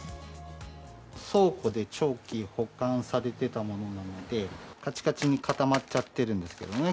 倉庫で長期保管されてたものなので、かちかちに固まっちゃってるんですけどね。